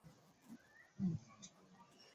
wanasheria wanadadisi sababu ya kukosefu kwa ufafanuzi